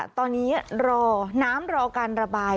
ตอนนี้รอน้ำรอการระบาย